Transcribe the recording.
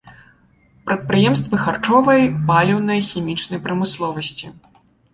Прадпрыемствы харчовай, паліўнай, хімічнай прамысловасці.